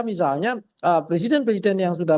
misalnya presiden presiden yang sudah